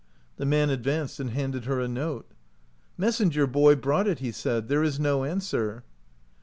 The man advanced and handed her a note. " Messenger boy brought it," he said. "There is no answer."